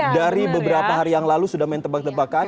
dari beberapa hari yang lalu sudah main tebak tebakan